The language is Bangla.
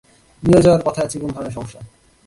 নিয়ে যাওয়ার পথে আছি কোন ধরনের সমস্যা?